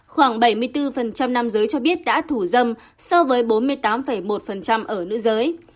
khoảng bảy mươi bốn nam giới cho biết đã thủ dâm so với bốn mươi tám một ở nữ giới